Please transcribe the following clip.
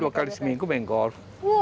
dua kali seminggu main golf